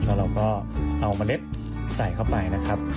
แล้วเราก็เอาเมล็ดใส่เข้าไปนะครับ